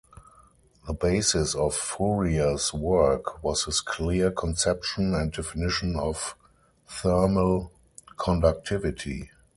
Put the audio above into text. The basis of Fourier's work was his clear conception and definition of thermal conductivity.